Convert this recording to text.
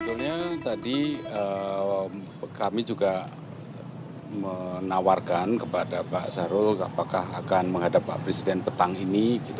sebetulnya tadi kami juga menawarkan kepada pak sarul apakah akan menghadap pak presiden petang ini